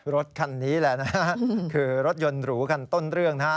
รถคันนี้แหละนะฮะคือรถยนต์หรูคันต้นเรื่องนะฮะ